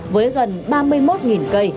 với gần ba mươi một cây